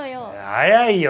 早いよ。